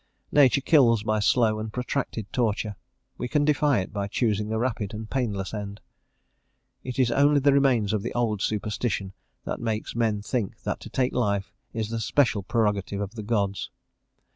Nature kills by slow and protracted torture; we can defy it by choosing a rapid and painless end. It is only the remains of the old superstition that makes men think that to take life is the special prerogative of the gods.